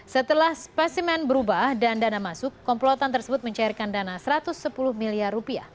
setelah spesimen berubah dan dana masuk komplotan tersebut mencairkan dana rp satu ratus sepuluh miliar